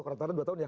ketika dua tahun ya